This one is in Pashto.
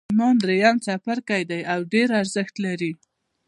ایمان درېیم څپرکی دی او ډېر ارزښت لري